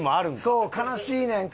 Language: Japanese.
そう悲しいねん。